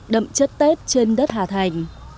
đậm chất tết trên đất hà thành